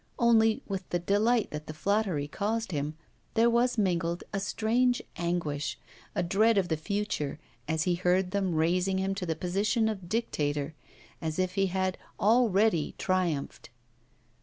Only, with the delight that the flattery caused him, there was mingled a strange anguish, a dread of the future, as he heard them raising him to the position of dictator, as if he had already triumphed.